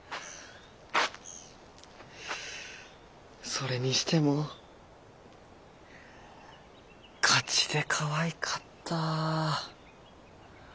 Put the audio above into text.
それにしてもガチでかわいかった。